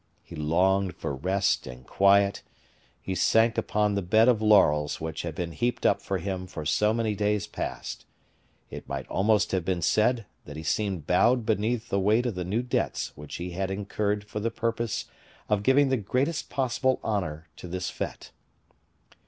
He longed for rest and quiet; he sank upon the bed of laurels which had been heaped up for him for so many days past; it might almost have been said that he seemed bowed beneath the weight of the new debts which he had incurred for the purpose of giving the greatest possible honor to this fete.